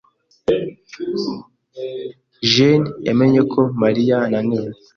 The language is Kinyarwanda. Jenie yamenye ko Mariya ananiwe.